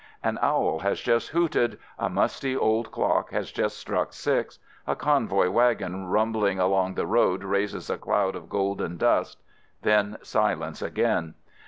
An owl has just hooted — a musty old clock has just struck six — a convoy wagon rumbling along the road raises a cloud of golden dust — then silence again.